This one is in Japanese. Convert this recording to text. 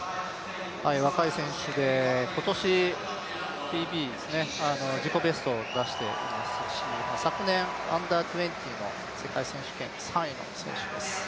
若い選手で、今年ＰＢ、自己ベストを出していますし、昨年Ｕ−２０の世界選手権で３位の選手です。